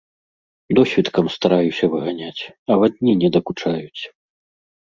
Досвіткам стараюся выганяць, авадні не дакучаюць.